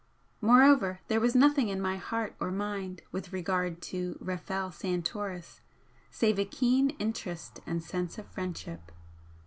Moreover, there was nothing in my heart or mind with regard to Rafel Santoris save a keen interest and sense of friendship.